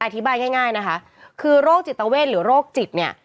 อธิบายง่ายนะคะคือโรคจิตเวทหรือโรคจิตเนี่ย